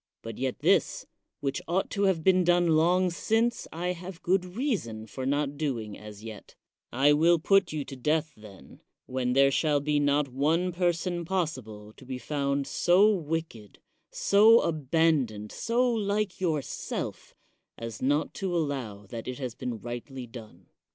But yet this, which ought to have been done long since, I have good reason for not doing as yet ; I will put you to death, then, when there shall be not one person possible to be found so wicked, so 96 CICERO abandoned, so like yourself, as not to allow that it has been rightly done.